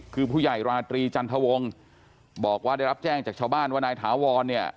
คือผู้ใหญ่ราตรีจันทวงศ์บอกว่าได้รับแจ้งจากชาวบ้านว่านายถาวรเนี่ย